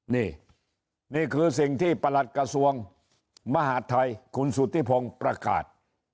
นี่นี่คือสิ่งที่ประหลัดกระทรวงมหาดไทยคุณสุธิพงศ์ประกาศ